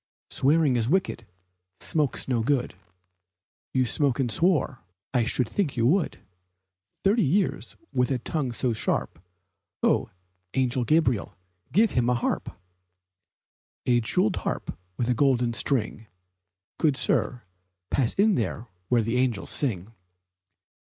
Swearing is wicked, smoke's not good. He smoked and swore I should think he would, Thirty years with that tongue so sharp! Ho, Angel Gabriel! Give him a harp! A jeweled harp with a golden string, Good sir, pass in where the angels sing!